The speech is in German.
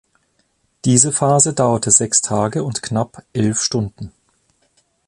Diese Phase dauerte sechs Tage und knapp elf Stunden.